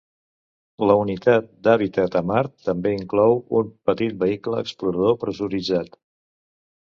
La Unitat d'Hàbitat a Mart també inclou un petit vehicle explorador pressuritzat.